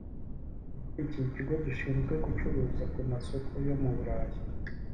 ukuriye Ikigo gishinzwe Gucuruza ku masoko yo mu Burayi